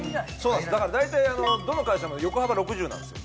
だから大体どの会社も横幅６０なんですよ。